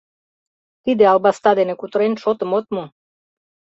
Тиде албаста дене кутырен, шотым от му.